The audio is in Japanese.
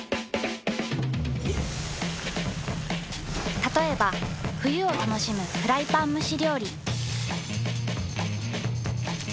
たとえば冬を楽しむフライパン蒸し料理。